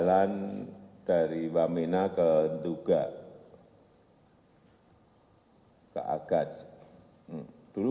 udah kepala aku gitu